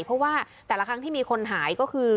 เพราะว่าแต่ละครั้งที่มีคนหายก็คือ